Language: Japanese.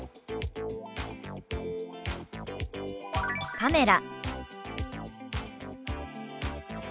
「カメラ」。